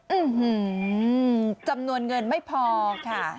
จำนวนเงินไม่พอค่ะ